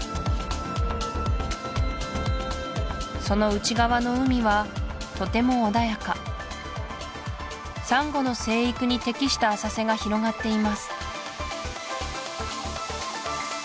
その内側の海はとても穏やかサンゴの生育に適した浅瀬が広がっています